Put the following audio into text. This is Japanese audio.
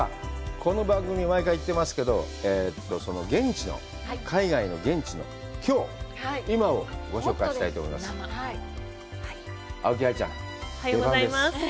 この番組、毎回、言ってますけど、現地の、海外の、現地のきょう、今をご紹介したいと思います。